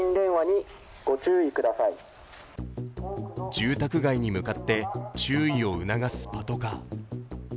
住宅街に向かって注意を促すパトカー。